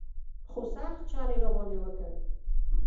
خو سخت چل یې را باندې وکړ.